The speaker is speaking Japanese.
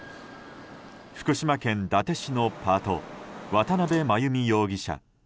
福島県伊達市のパート渡辺真由美容疑者。